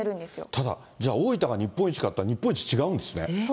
ただ、じゃあ、大分が日本一かっていったら、日本一違うんですね。